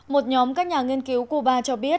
một nhóm các nhà nghiên cứu cuba cho biết